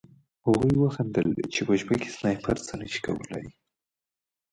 هغوی وخندل چې په شپه کې سنایپر څه نه شي کولی